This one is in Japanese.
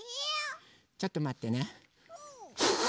ちょっとまってね。